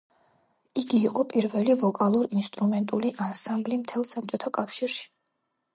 იგი იყო პირველი ვოკალურ-ინსტრუმენტული ანსამბლი მთელ საბჭოთა კავშირში.